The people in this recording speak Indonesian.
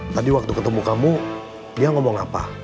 tadi waktu ketemu kamu dia ngomong apa